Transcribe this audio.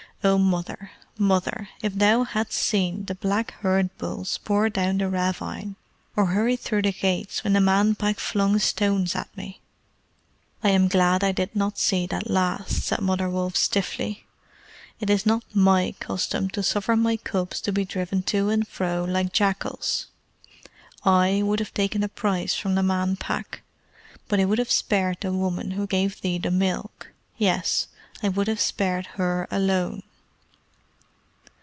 Oh, mother, mother! if thou hadst seen the black herd bulls pour down the ravine, or hurry through the gates when the Man Pack flung stones at me!" "I am glad I did not see that last," said Mother Wolf stiffly. "It is not MY custom to suffer my cubs to be driven to and fro like jackals. I would have taken a price from the Man Pack; but I would have spared the woman who gave thee the milk. Yes, I would have spared her alone."